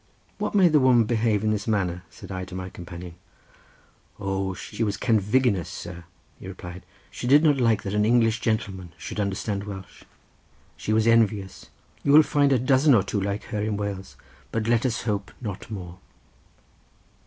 "What made the woman behave in this manner?" said I to my companion. "O, she was cenfigenus, sir," he replied; "she did not like that an English gentleman should understand Welsh; she was envious; you will find a dozen or two like her in Wales; but let us hope not more."